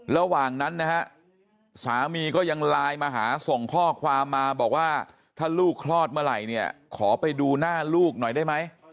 ระหว่างนั้นนะฮะสามีก็ยังไลน์มาหาส่งข้อความมาบอกว่าถ้าลูกคลอดเมื่อไหร่เนี่ยขอไปดูหน้าลูกหน่อยได้ไหม